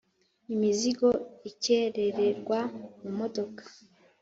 Imizigo ikerererwa mu modoka,